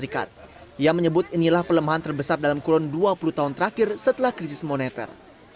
dia menyebut inilah pelemahan terbesar dalam kurun dua puluh tahun terakhir setelah krisis moneter